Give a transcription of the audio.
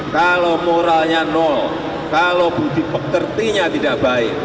kalau moralnya nol kalau budi pekertinya tidak baik